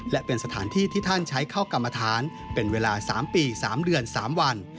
และเป็นสถานที่ที่ท่านใช้เข้ากรรมฐานเป็นเวลา๓ปี๓เดือน๓วัน